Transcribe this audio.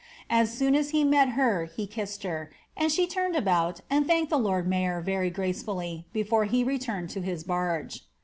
As soon as he met her, be kissed her, and she turned about and thanked the lord mayor very grace fully before he retumeil to his barge.